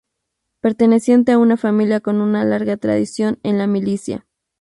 Perteneciente a una familia con una larga tradición en la milicia.